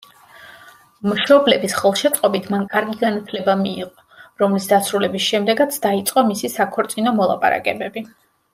მშობლების ხელშეწყობით მან კარგი განათლება მიიღო, რომლის დასრულების შემდეგაც დაიწყო მისი საქორწინო მოლაპარაკებები.